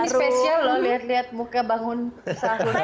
ini special loh liat liat muka bangun sahur